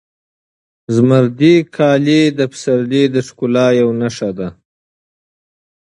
زمردي کالي د پسرلي د ښکلا یوه نښه ده.